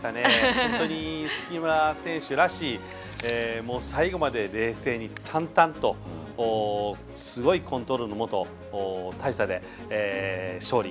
本当に杉村選手らしい最後まで冷静に淡々とすごいコントロールのもと大差で勝利。